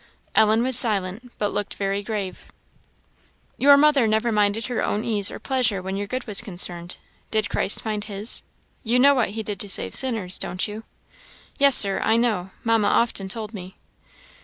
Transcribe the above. Ellen was silent, but looked very grave. "Your mother never minded her own ease or pleasure when your good was concerned. Did Christ mind his? You know what he did to save sinners, don't you?" "Yes, Sir, I know; Mamma often told me."